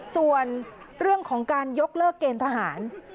ส่วนเรื่องของการยกเลิกเกณฑ์ทหาร